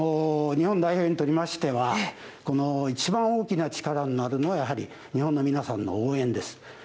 日本代表にとりましては、いちばん大きな力になるのは、やはり日本の皆さんの応援です。